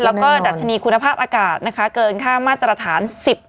แล้วก็ดัชนีคุณภาพอากาศนะคะเกินค่ามาตรฐาน๑๐